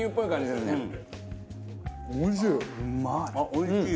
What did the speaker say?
おいしい！